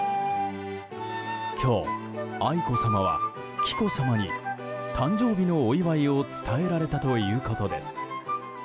今日、愛子さまは紀子さまに誕生日のお祝いを伝えられたということです。